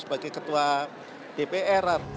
jadi ketua mpr